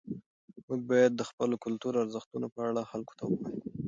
موږ باید د خپلو کلتوري ارزښتونو په اړه خلکو ته ووایو.